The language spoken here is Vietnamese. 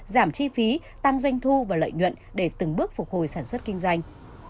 giảm chi phí tăng doanh thu và lợi nhuận để từng bước phục hồi sản xuất kinh doanh